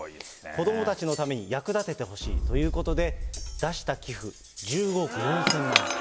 子どもたちのために役立ててほしいということで、出した寄付、１５億４０００万円。